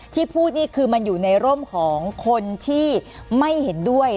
ที่พูดนี่คือมันอยู่ในร่มของคนที่ไม่เห็นด้วย